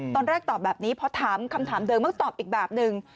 ตอนแรกตอบแบบนี้พอถามคำถามเดิมต้องตอบอีกแบบนึง